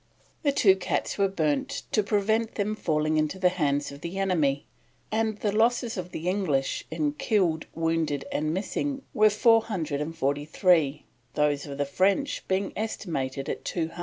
The two cats were burnt to prevent them falling into the hands of the enemy, and the losses of the English in killed, wounded, and missing were 443, those of the French being estimated at 200.